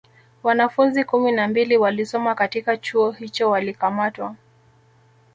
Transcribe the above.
Wanafunzi kumi na mbili walisoma katika Chuo hicho walikamatwa